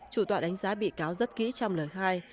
chủ tọa đánh giá bị cáo rất kỹ trong lời khai